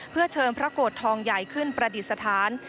เพื่อเชิญพระโกรธทองใหญ่ขึ้นประดิษฐาน